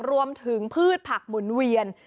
รวมถึงพืชผักหมุนเวียน